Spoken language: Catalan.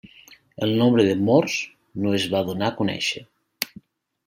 El nombre de morts no es va donar a conèixer.